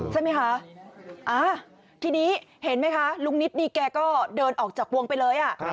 ใช่ไหมคะทีนี้เห็นไหมคะลุงนิดนี่แกก็เดินออกจากวงไปเลย